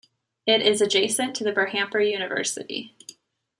It is adjacent to the Berhampur University.